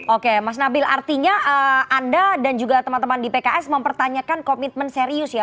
oke mas nabil artinya anda dan juga teman teman di pks mempertanyakan komitmen serius ya